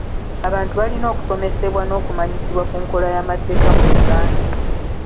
Abantu balina okusomesebwa n'okumanyisibwa ku nkola y'amateeka mu Uganda.